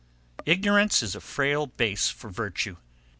Ignorance is a frail base for virtue!